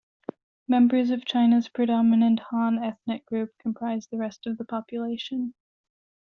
Members of China's predominant Han ethnic group comprise the rest of the population.